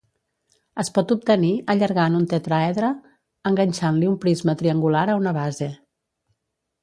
Es pot obtenir allargant un tetràedre enganxant-li un prisma triangular a una base.